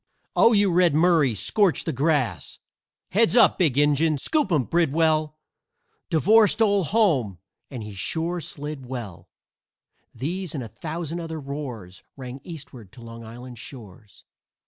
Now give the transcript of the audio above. "Oh, you Red Murray! Scorch the grass!" "Heads up, Big Injun!" "Scoop 'em, Bridwell!" "Devore stole home! And sure he slid well!" These and a thousand other roars Rang Eastward to Long Island's shores.